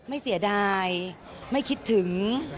เสียดายไม่คิดถึง